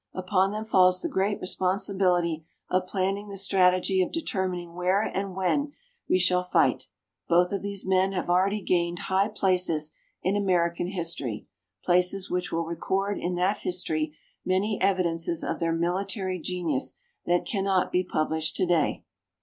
Upon them falls the great responsibility of planning the strategy of determining where and when we shall fight. Both of these men have already gained high places in American history, places which will record in that history many evidences of their military genius that cannot be published today.